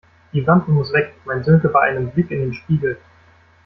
Die Wampe muss weg, meint Sönke bei einem Blick in den Spiegel.